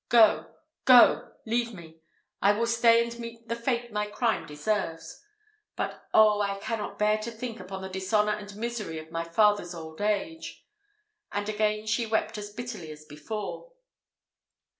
Go go leave me; I will stay and meet the fate my crime deserves. But, oh! I cannot bear to think upon the dishonour and misery of my father's old age!" and again she wept as bitterly as before.